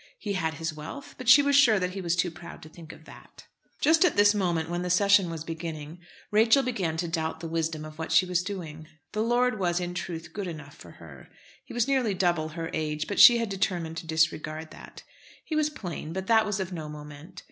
He had his wealth; but she was sure that he was too proud to think of that. Just at this period, when the session was beginning, Rachel began to doubt the wisdom of what she was doing. The lord was, in truth, good enough for her. He was nearly double her age, but she had determined to disregard that. He was plain, but that was of no moment.